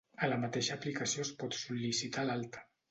A la mateixa aplicació es pot sol·licitar l'alta.